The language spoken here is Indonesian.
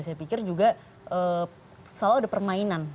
saya pikir juga selalu ada permainan